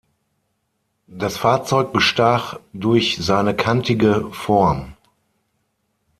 Das Fahrzeug bestach durch seine kantige Form.